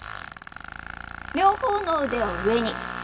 両方の腕を上に。